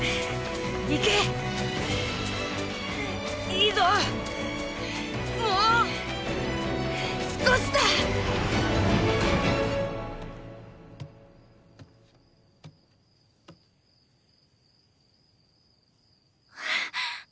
行けいいぞもう少しだ！あっ！